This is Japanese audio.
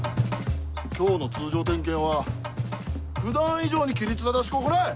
今日の通常点検は普段以上に規律正しく行え！